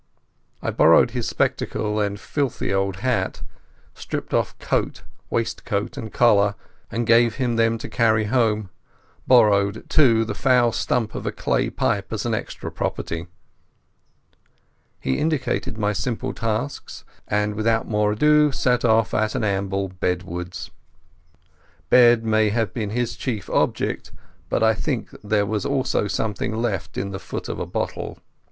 I borrowed his spectacles and filthy old hat; stripped off coat, waistcoat, and collar, and gave him them to carry home; borrowed, too, the foul stump of a clay pipe as an extra property. He indicated my simple tasks, and without more ado set off at an amble bedwards. Bed may have been his chief object, but I think there was also something left in the foot of a bottle.